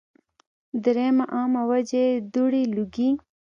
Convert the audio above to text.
دريمه عامه وجه ئې دوړې ، لوګي